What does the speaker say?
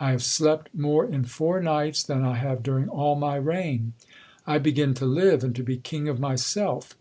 I have slept more in four nights than I have during all my reign. I begin to live, and to be king of myself.